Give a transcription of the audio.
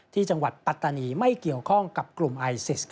ที่จังหวัดปัตตานีไม่เกี่ยวข้องกับกลุ่มไอซิส